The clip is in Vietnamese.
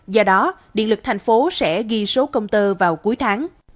do đó điện lực thành phố sẽ ghi số công tơ vào cuối tháng